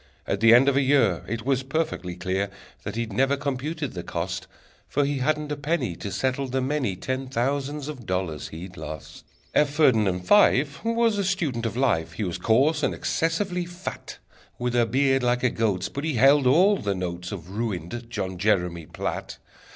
At the end of a year It was perfectly clear That he'd never computed the cost, For he hadn't a penny To settle the many Ten thousands of dollars he'd lost! F. Ferdinand Fife Was a student of life: He was coarse, and excessively fat, With a beard like a goat's, But he held all the notes Of ruined John Jeremy Platt!